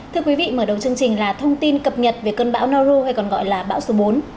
thưa quý vị mở đầu chương trình là thông tin cập nhật về cơn bão nau hay còn gọi là bão số bốn